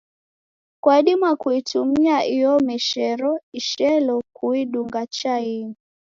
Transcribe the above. Kwadima kuitumia iomeshero ishelo kuidunga chainyi.